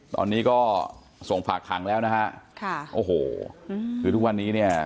ตอนนี้ก็ส่งฝากขังแล้วนะฮะค่ะโอ้โหคือทุกวันนี้เนี่ย